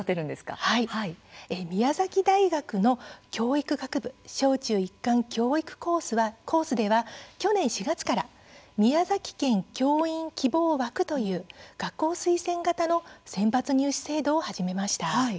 宮崎大学の教育学部小中一貫教育コースでは去年４月から宮崎県教員希望枠という学校推薦型の選抜入試制度を始めました。